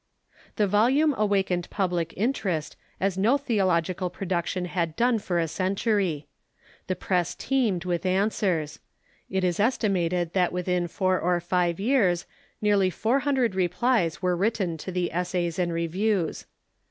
The vohime awakened public interest as no theological pro duction had done for a century. The press teemed Avith an swers. It is estimated that Wxthin four or five years nearly four hundred replies were written to the " Essays and Reviews."